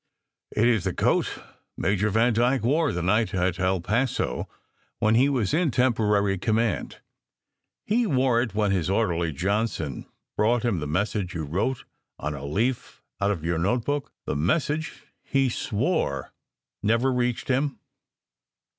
It is the coat Major Vandyke wore the night at El Paso when he was in temporary command. He wore it when his orderly, Johnson, brought him the message you wrote on a leaf out of your notebook the message he swore never reached him."